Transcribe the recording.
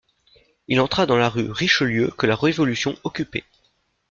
Il entra dans la rue Richelieu que la révolution occupait.